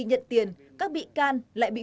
nhận tiền các bị can lại bị